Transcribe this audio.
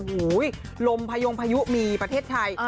โอ้โหลมพยงพายุมีประเทศไทย